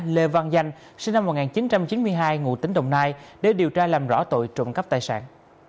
lê văn danh sinh năm một nghìn chín trăm chín mươi hai ngụ tỉnh đồng nai để điều tra làm rõ tội trụng cấp tài sản